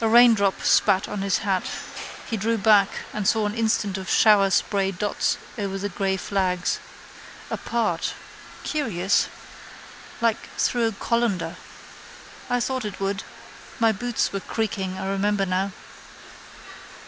A raindrop spat on his hat. He drew back and saw an instant of shower spray dots over the grey flags. Apart. Curious. Like through a colander. I thought it would. My boots were creaking I remember now.